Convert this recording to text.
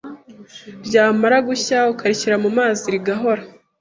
ryamara gushya ukarishyira mu mazi rigahora,